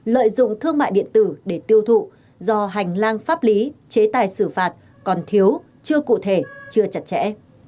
lợi dụng thương mại điện tử để tiêu thụ do hành lang pháp lý chế tài xử phạt còn thiếu chưa cụ thể chưa chặt chẽ